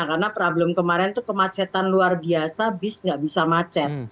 karena problem kemarin itu kemacetan luar biasa bis nggak bisa macet